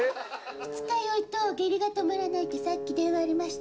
二日酔いと下痢が止まらないって電話ありました。